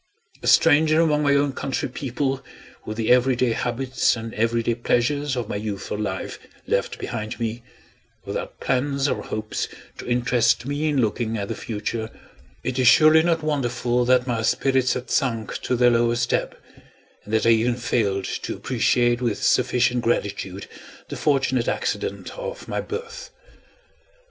A stranger among my own country people, with the every day habits and every day pleasures of my youthful life left behind me without plans or hopes to interest me in looking at the future it is surely not wonderful that my spirits had sunk to their lowest ebb, and that I even failed to appreciate with sufficient gratitude the fortunate accident of my birth.